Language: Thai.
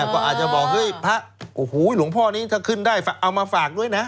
ก็อาจจะบอกเฮ้ยพระโอ้โหหลวงพ่อนี้ถ้าขึ้นได้เอามาฝากด้วยนะ